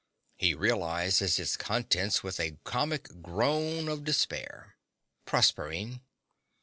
He realizes its contents with a comic groan of despair. PROSERPINE.